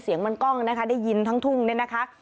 เสียงมันกล้องนะคะได้ยินทั้งทุ่งเนี่ยนะคะ